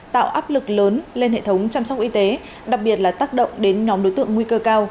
tạo áp lực lớn lên hệ thống chăm sóc y tế đặc biệt là tác động đến nhóm đối tượng nguy cơ cao